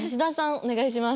お願いします。